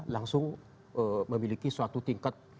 langsung memiliki suatu tingkat